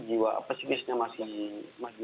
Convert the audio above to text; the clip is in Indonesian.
jiwa pesimisnya masih lemah